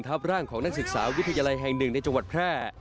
ทับร่างของนักศึกษาวิทยาลัยแห่งหนึ่งในจังหวัดแพร่